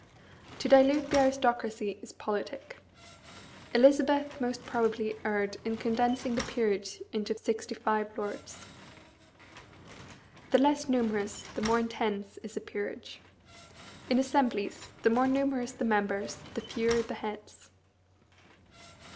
To dilute the aristocracy is politic. Elizabeth most probably erred in condensing the peerage into sixty five lords. The less numerous, the more intense is a peerage. In assemblies, the more numerous the members, the fewer the heads.